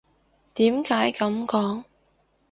點解噉講？